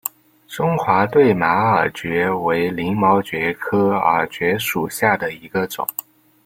中华对马耳蕨为鳞毛蕨科耳蕨属下的一个种。